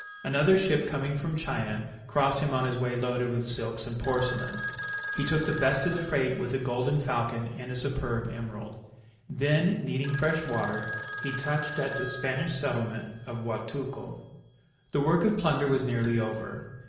Another ship coming from China crossed him on his way loaded with silks and porcelain. He took the best of the freight with a golden falcon and a superb emerald. Then needing fresh water he touched at the Spanish settlement of Guatulco. The work of plunder was nearly over.